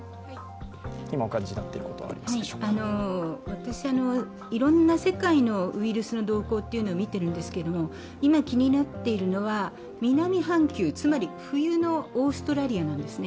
私、いろいろな世界のウイルスの動向を見ているんですけれども、今気になっているのは、南半球、つまり冬のオーストラリアなんです。